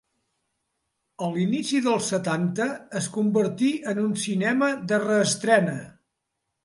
A l'inici dels setanta es convertí en un cinema de reestrena.